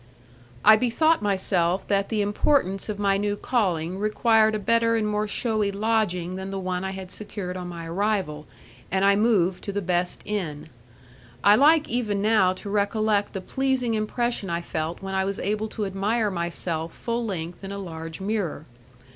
I bethought myself that the importance of my new calling required a better and more showy lodging than the one I had secured on my arrival, and I moved to the best inn. I like even now to recollect the pleasing impression I felt when I was able to admire myself full length in a large mirror.